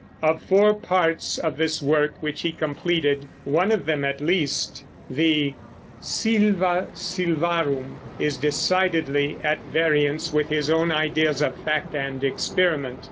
Of four parts of this work which he completed, one of them at least, the Sylva Sylvarum, is decidedly at variance with his own idea of fact and experiment.